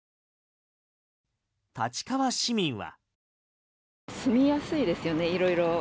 立川市民は。